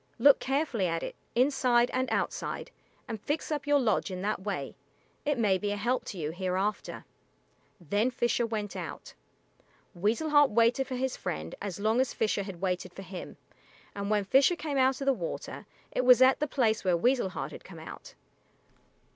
Look carefully at it, inside and outside, and fix up your lodge in that way. It may be a help to you hereafter." Then Fisher went out. Weasel Heart waited for his friend as long as Fisher had waited for him, and when Fisher came out of the water it was at the place where Weasel Heart had come out.